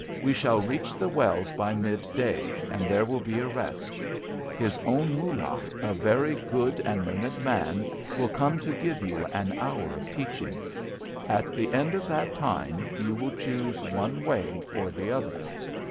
"We shall reach the wells by mid day, and there will be a rest. His own Moolah, a very good and learned man, will come to give you an hour of teaching. At the end of that time you will choose one way or the other.